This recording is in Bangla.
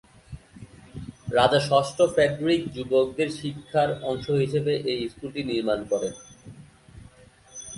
রাজা ষষ্ঠ ফ্রেডেরিক যুবকদের শিক্ষার অংশ হিসেবে এই স্কুলটি নির্মাণ করেন।